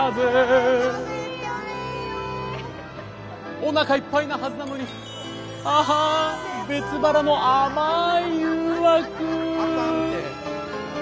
「おなかいっぱいなはずなのにああ別腹のあまい誘惑」あかんて。